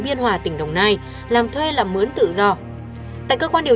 để có ai đi theo anh em